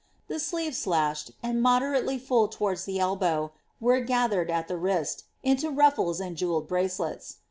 The sleeves, slashed, and moderately full towards the elbow, were gathered, at the wrist, into ruffles and jewelled bracelets.